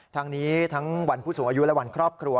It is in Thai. ทั้งนี้ทั้งวันผู้สูงอายุและวันครอบครัว